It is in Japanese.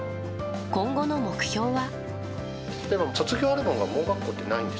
今後の目標は。